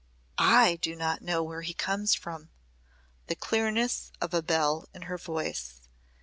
"I do not know where he comes from," the clearness of a bell in her voice.